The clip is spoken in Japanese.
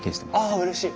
あうれしい。